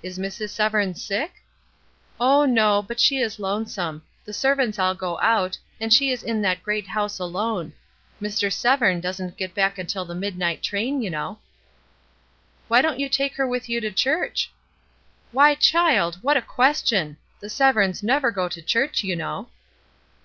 "Is Mrs. Severn sick?" " Oh, no, but she is lonesome. The servants MODELS 105 all go out, and she is in that great house alone. Mr. Severn doesn't get back until the midnight train, you know." " Why don't you take her with you to church ?" "Why, child, what a question ! The Severns never go to church, you know."